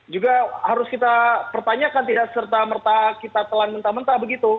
juga harus kita pertanyakan tidak serta merta kita telan mentah mentah begitu